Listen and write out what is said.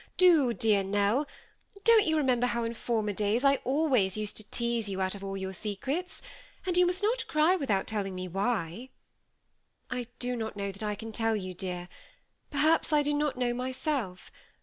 Do, dear Nell. Don't you remember how in former days I always used to tease you out of all your secrets ? and you must not cry without telling me why." " I do not know that I can tell you, dear ; perhaps I ^ do not know myself.